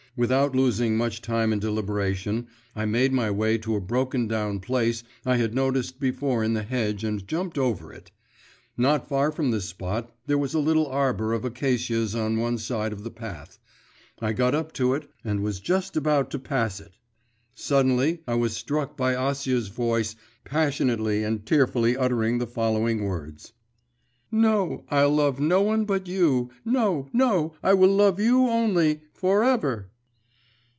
Without losing much time in deliberation, I made my way to a broken down place I had noticed before in the hedge and jumped over it. Not far from this spot there was a little arbour of acacias on one side of the path. I got up to it and was just about to pass it.… Suddenly I was struck by Acia's voice passionately and tearfully uttering the following words: 'No, I'll love no one but you, no, no, I will love you only, for ever!